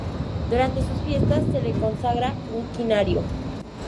Durante sus fiestas se le consagra un quinario.